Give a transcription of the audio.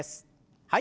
はい。